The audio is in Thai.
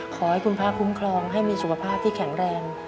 ขอให้คุณพระคุ้มครองให้มีสุขภาพที่แข็งแรง